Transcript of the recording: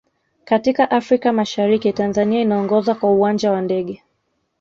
katika afrika mashariki tanzania inaongoza kwa uwanja wa ndege